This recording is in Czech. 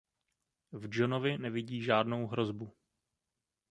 V Johnovi nevidí žádnou hrozbu.